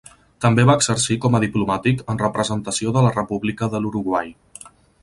També va exercir com a diplomàtic en representació de la República de l'Uruguai.